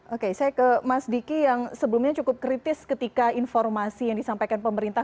oke saya ke mas diki yang sebelumnya cukup kritis ketika informasi yang disampaikan pemerintah